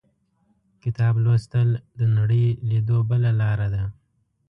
• کتاب لوستل، د نړۍ لیدو بله لاره ده.